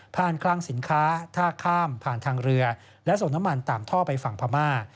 คลั่งสินค้าท่าข้ามผ่านทางเรือและส่งน้ำมันตามท่อไปฝั่งพม่า